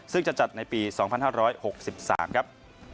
ซึ่งจะจัดในปี๒๕๖๓ครับ